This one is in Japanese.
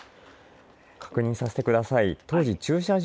確認させてください。